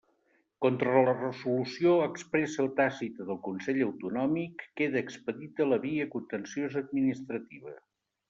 Contra la resolució expressa o tàcita del Consell Autonòmic queda expedita la via contenciosa administrativa.